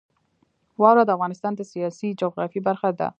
واوره د افغانستان د سیاسي جغرافیه برخه ده.